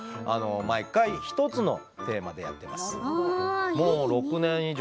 毎回１つのテーマでやっています。